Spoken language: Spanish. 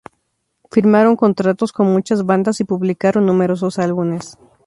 Firmaron contratos con muchas bandas y publicaron numerosos álbumes.